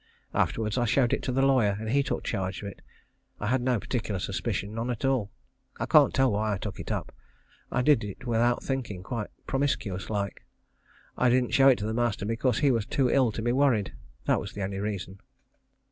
Afterwards I showed it to the lawyer, and he took charge of it. I had no particular suspicion, none at all. I can't tell why I took it up. I did it without thinking, quite promiscuous like. I didn't show it to master because he was too ill to be worried. That was the only reason.